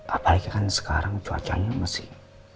apalagi kan sekarang cuacanya masih